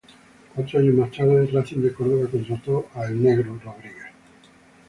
Cuatro años más tarde Racing de Córdoba contrató a ""El Negro"" Rodríguez.